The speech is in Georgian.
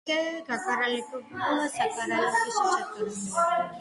კარალიოკი გაკარალიოკებულა საკარალიოკეში ჩაკარალიოკებულა